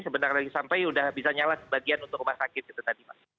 sebentar lagi sampai udah bisa nyala sebagian untuk rumah sakit itu tadi mas